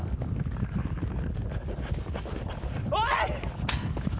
おい！